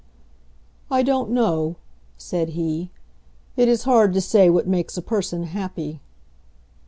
"I don't know," said he. "It is hard to say what makes a person happy."